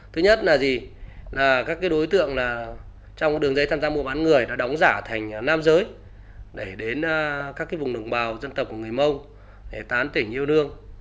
thứ nhất là gì là các đối tượng trong đường dây tham gia mua bán người đã đóng giả thành nam giới để đến các vùng đồng bào dân tộc của người mông để tán tỉnh yêu đương